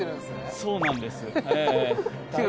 そうなんです。